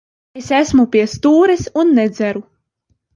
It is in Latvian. Es esmu pie stūres un nedzeru.